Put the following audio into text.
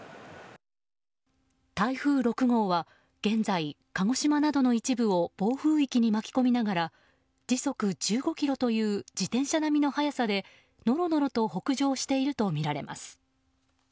台風６号は現在鹿児島などの一部を暴風域に巻き込みながら時速１５キロという自転車並みの速さでのろのろと北上しているとみられます。